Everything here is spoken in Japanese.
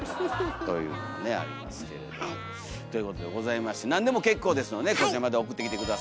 というねえありますけれども。ということでございまして何でも結構ですのでこちらまで送ってきて下さいお願いします。